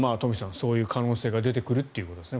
そういう可能性が出てくるということですね